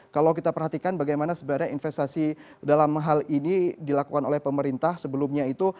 kalau kita perhatikan bagaimana sebenarnya investasi dalam hal ini dilakukan oleh pemerintah sebelumnya itu